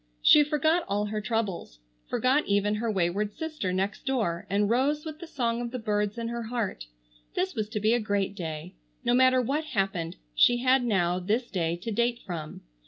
She forgot all her troubles; forgot even her wayward sister next door; and rose with the song of the birds in her heart. This was to be a great day. No matter what happened she had now this day to date from.